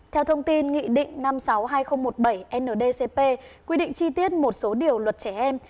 theo thông tin nghị định năm trăm sáu mươi hai nghìn một mươi bảy ndcp quy định chi tiết một số điều luật trẻ em